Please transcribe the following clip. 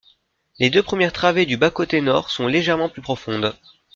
Les deux premières travées du bas-côté nord sont légèrement plus profondes.